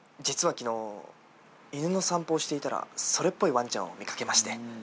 実は昨日犬の散歩をしていたらそれっぽいワンちゃんを見掛けまして。